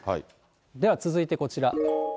では続いてこちら。